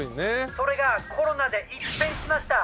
それがコロナで一変しました。